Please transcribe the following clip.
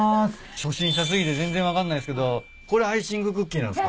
初心者過ぎて全然分かんないんすけどこれアイシングクッキーなんすか？